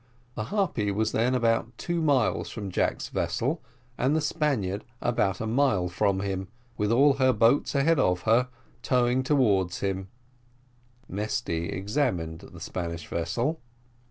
The Harpy was then about two miles from Jack's vessel, and the Spaniard about a mile from him, with all her boats ahead of her, towing towards him; Mesty examined the Spanish vessel.